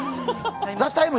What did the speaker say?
「ＴＨＥＴＩＭＥ，」